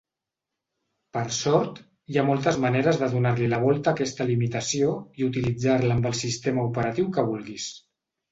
Per sort, hi ha moltes maneres de donar-li la volta a aquesta limitació i utilitzar-la amb el sistema operatiu que vulguis.